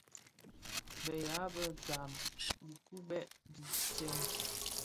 Beya bë ndhaň ukibèè lè tsèn.